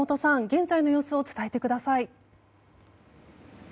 現在の様子を伝えてください。